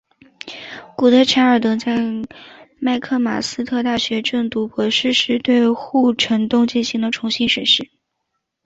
古德柴尔德在麦克马斯特大学攻读博士时对护城洞进行了重新审视。